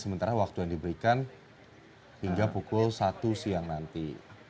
sementara waktu yang diberikan hingga pukul satu siang nanti